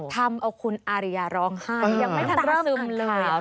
ทำเอาคุณอาริยาร้องไห้ยังไม่ทันเริ่มอันข่าว